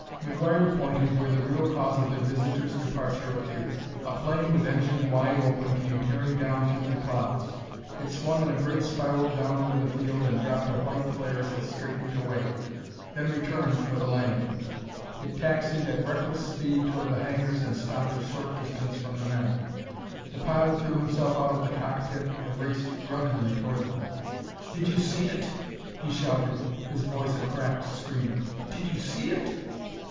McGuire pointed where the real cause of their visitor's departure appeared. A plane with engine wide open came tearing down through the clouds. It swung in a great spiral down over the field and dropped a white flare as it straightened away; then returned for the landing. It taxied at reckless speed toward the hangars and stopped a short distance from the men. The pilot threw himself out of the cockpit and raced drunkenly toward them. "Did you see it?" he shouted, his voice a cracked scream. "Did you see it?"